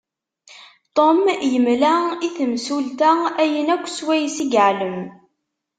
Tom yemla i temsulta ayen akk s wayes i yeεlem.